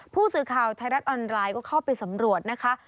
ผู้สื่อข่าวไทยรัฐออนไลน์ก็เข้าไปสำรวจนะคะ